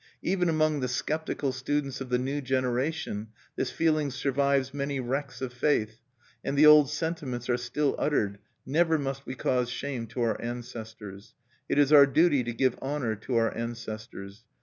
Even among the skeptical students of the new generation, this feeling survives many wrecks of faith, and the old sentiments are still uttered: "Never must we cause shame to our ancestors;" "it is our duty to give honor to our ancestors."